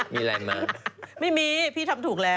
มีอะไรเหมือนกันไม่มีพี่ทำถูกแล้ว